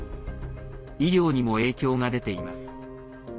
医療にも影響が出ています。